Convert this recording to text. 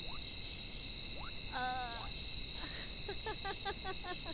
あハハハハハ。